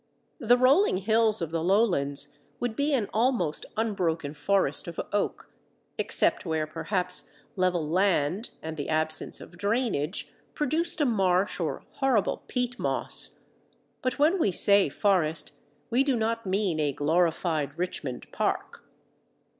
The rolling hills of the lowlands would be an almost unbroken forest of oak, except where perhaps level land and the absence of drainage produced a marsh or horrible peat moss. But when we say forest, we do not mean a glorified Richmond Park.